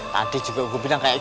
tadi juga gue bilang kayak gitu